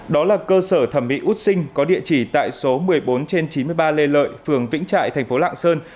đó là cơ sở thẩm mỹ út sinh có địa chỉ tại số một mươi bốn trên chín mươi ba lê lợi phường vĩnh trại thành phố lạng sơn